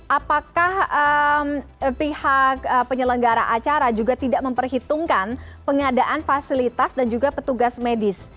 apakah pihak penyelenggara acara juga tidak memperhitungkan pengadaan fasilitas dan juga petugas medis